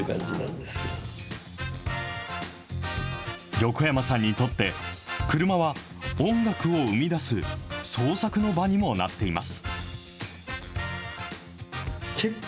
横山さんにとって、車は音楽を生み出す創作の場にもなっています。